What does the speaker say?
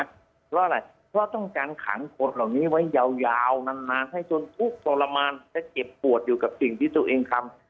เพราะอะไรเพราะต้องการขังคนเหล่านี้ไว้ยาวนานให้จนทุกข์ทรมานและเจ็บปวดอยู่กับสิ่งที่ตัวเองทำ